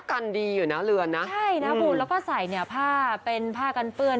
การดีอยู่นะเรือนน่ะใช่นะบุญแล้วก็ใส่ผ้ากันเปื้อน